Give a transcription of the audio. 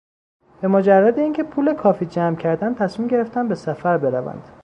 به مجرد اینکه پول کافی جمع کردند تصمیم گرفتند به سفر بروند.